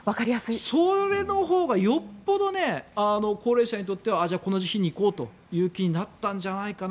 それのほうがよっぽど高齢者にとってはじゃあ、この日に行こうという気になったんじゃないかな。